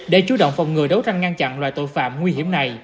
để chú động phòng ngừa đấu tranh ngăn chặn loại tội phạm nguy hiểm này